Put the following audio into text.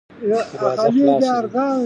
دروازه خلاصه ده.